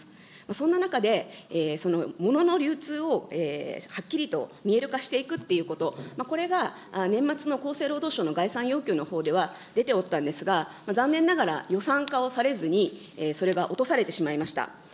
そんな中で、物の流通をはっきりと見える化していくっていうこと、これが年末の厚生労働省の概算要求のほうでは出ておったんですが、残念ながら予算化をされずに、それが落とされてしまいました。